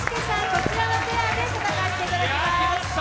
こちらのペアで戦っていただきます。